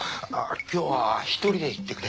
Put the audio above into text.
今日は１人で行ってくれ。